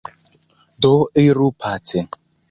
Do iru pace!